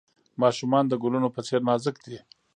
ماشومان د ګلونو په څیر نازک دي.